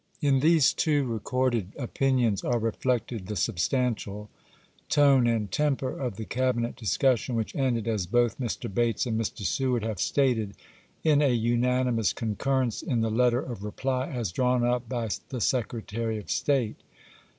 In these two recorded opinions are reflected the substantial tone and temper of the Cabinet discus sion, which ended, as both Mr. Bates and Mr. Seward have stated, in a unanimous concurrence in the letter of reply as drawn up by the Secretary of State.